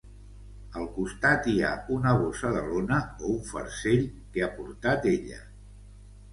Al costat hi ha una bossa de lona, o un farcell, que ha portat ella.